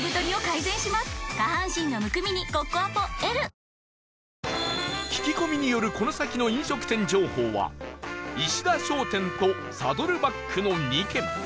東京海上日動の ＤＡＰ聞き込みによるこの先の飲食店情報はいしだ商店とサドルバックの２軒